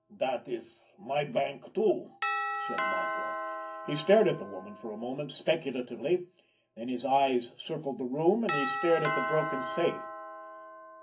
"That is my bank, too," said Marco. He stared at the woman for a moment speculatively, then his eyes circled the room, and he stared at the broken safe.